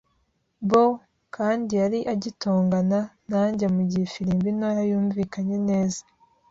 bo; kandi yari agitongana nanjye mugihe ifirimbi ntoya yumvikanye neza